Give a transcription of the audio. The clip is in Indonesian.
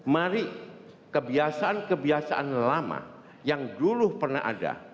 mari kebiasaan kebiasaan lama yang dulu pernah ada